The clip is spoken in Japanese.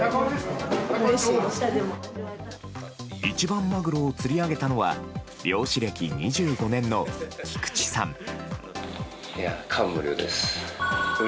一番マグロを釣り上げたのは漁師歴２５年の菊池さん。